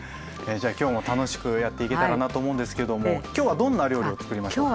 じゃあ今日も楽しくやっていけたらなと思うんですけども今日はどんな料理をつくりましょうか。